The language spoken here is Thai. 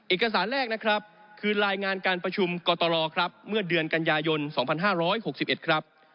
เอกสารแรกนะครับคือรายงานการประชุมกตรครับเมื่อเดือนกันยายน๒๕๖๑ครับ